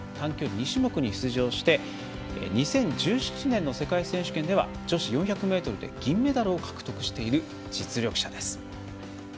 ２種目に出場して２０１７年の世界選手権では女子４００ｍで銀メダルを獲得している実力者。